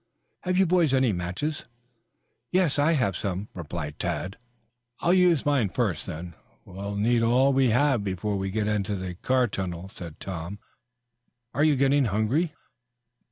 Have you boys any matches?" "Yes, I have some," replied Tad. "I'll use mine first, then. We'll need all we have before we get out into the car tunnel," said Tom. "Are you getting hungry?"